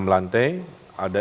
enam lantai ada